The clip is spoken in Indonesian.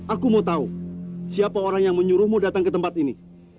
aku mau tahu siapa orang yang menyuruhmu datang ke tempat ini